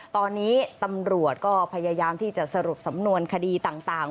ตอนนี้ตำรวจก็พยายามที่จะสรุปสำนวนคดีต่าง